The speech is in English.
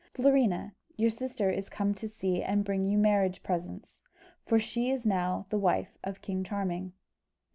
"Florina, your sister is come to see and bring you marriage presents, for she is now the wife of King Charming."